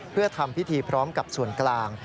เพื่อทำพิธีพร้อมกับส่วนกลาง